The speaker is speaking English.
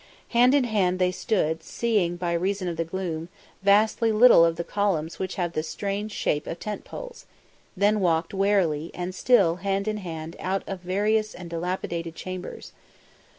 Hand in hand they stood, seeing, by reason of the gloom, vastly little of the columns which have the strange shape of tent poles; then walked warily and still hand in hand in and out of various and dilapidated chambers.